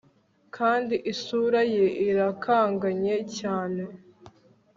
Kandi isura ye irakanganye cyane